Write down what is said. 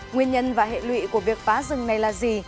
nguyên nhân và hệ lụy của việc phá rừng này là gì